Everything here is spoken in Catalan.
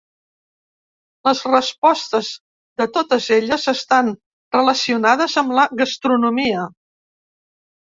Les respostes de totes elles estan relacionades amb la gastronomia.